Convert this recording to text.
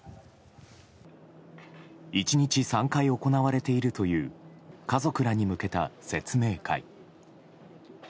１日３回行われているという家族らに向けた説明会。